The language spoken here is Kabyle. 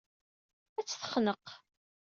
Ad tt-texneq.